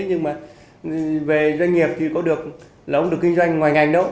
nhưng mà về doanh nghiệp thì có được là ông được kinh doanh ngoài ngành đâu